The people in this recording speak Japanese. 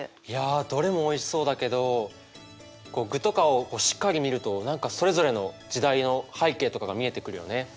いやどれもおいしそうだけど具とかをしっかり見ると何かそれぞれの時代の背景とかが見えてくるよね。